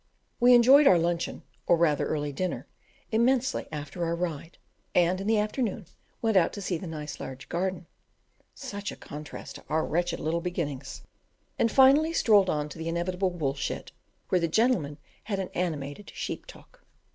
We enjoyed our luncheon, or rather early dinner, immensely after our ride; and in the afternoon went out to see the nice large garden (such a contrast to our wretched little beginnings), and finally strolled on to the inevitable wool shed, where the gentlemen had an animated "sheep talk."